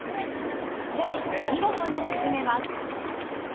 見事に沈めます。